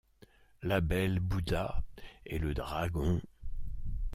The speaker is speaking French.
La belle bouda, et le dragon…